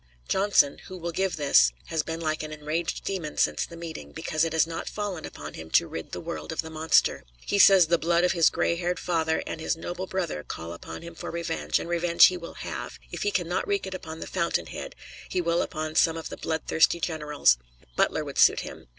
Johnson, who will give this, has been like an enraged demon since the meeting, because it has not fallen upon him to rid the world of the monster. He says the blood of his gray haired father and his noble brother call upon him for revenge, and revenge he will have; if he can not wreak it upon the fountain head, he will upon some of the bloodthirsty generals. Butler would suit him.